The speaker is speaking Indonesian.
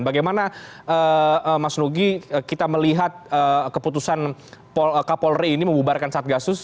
bagaimana mas nugi kita melihat keputusan kapolri ini membubarkan satgasus